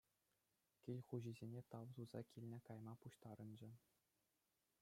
Кил хуҫисене тав туса килне кайма пуҫтарӑнчӗ.